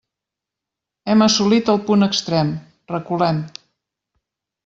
Hem assolit el punt extrem; reculem.